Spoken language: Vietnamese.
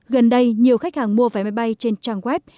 gần đây nhiều khách hàng mua vé máy bay trên trang web